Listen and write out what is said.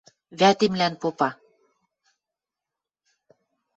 вӓтемлӓн попа